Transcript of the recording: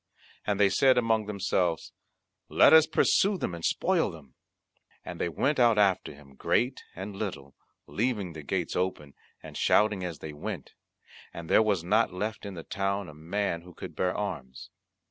And they said among themselves, "Let us pursue them and spoil them." And they went out after him, great and little, leaving the gates open and shouting as they went; and there was not left in the town a man who could bear arms.